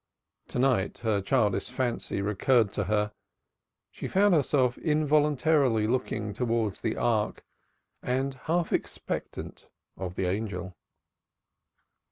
To night her childish fancy recurred to her she found herself involuntarily looking towards the Ark and half expectant of the angel.